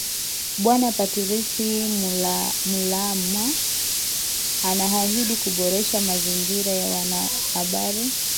bwana patirisi mulama anahaidi kuboresha mazingira ya wanahabari